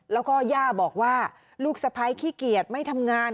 แล้วก็ย่าบอกว่าลูกสะพ้ายขี้เกียจไม่ทำงาน